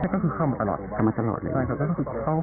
ก็คือเข้ามาตลอดใช่ค่ะเขาก็คือเข้ามาทุกวัน